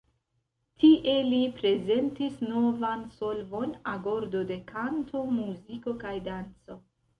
Tie li prezentis novan solvon: agordo de kanto, muziko kaj danco.